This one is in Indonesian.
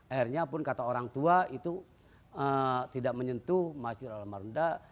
akhirnya pun kata orang tua itu tidak menyentuh masjid al marunda